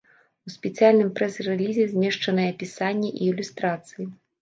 У спецыяльным прэс-рэлізе змешчанае апісанне і ілюстрацыі.